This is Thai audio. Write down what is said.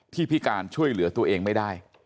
พิการช่วยเหลือตัวเองไม่ได้